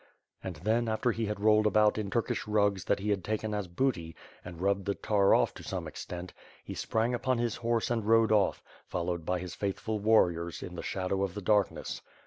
And then, after he had rolled about in Turkish rugs that he had taken as booty, and rubbed the tar oflE to some extent, he sprang upon his horse and rode off, followed by his faith ful warriors in the shadow of the darkness.